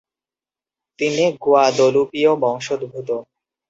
তিনি গুয়াদলুপীয় বংশোদ্ভূত।